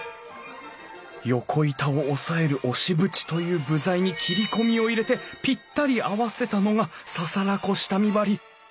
横板を押さえる押縁という部材に切り込みを入れてぴったり合わせたのが簓子下見張り。